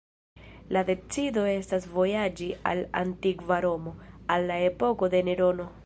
La decido estas vojaĝi al antikva Romo, al la epoko de Nerono.